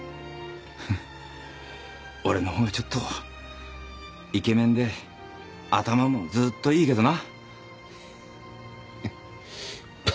俺のほうがちょっとイケメンで頭もずっといいけどな。